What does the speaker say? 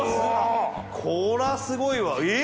こりゃすごいわ！